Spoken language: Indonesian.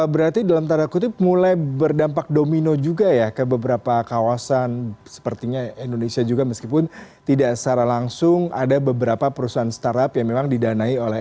berarti dalam tanda kutip mulai berdampak domino juga ya ke beberapa kawasan sepertinya indonesia juga meskipun tidak secara langsung ada beberapa perusahaan startup yang memang didanai oleh